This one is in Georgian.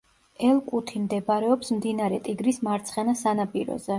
ელ-კუთი მდებარეობს მდინარე ტიგრის მარცხენა სანაპიროზე.